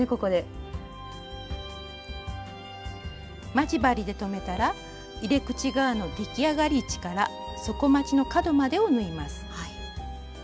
待ち針で留めたら入れ口側の出来上がり位置から底まちの角までを縫います。